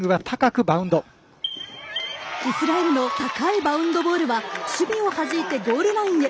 イスラエルの高いバウンドボールは守備をはじいてゴールラインへ。